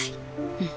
うん。